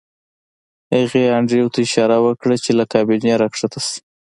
هغې انډریو ته اشاره وکړه چې له کابینې راښکته شي